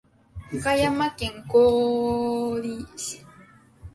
岡山県高梁市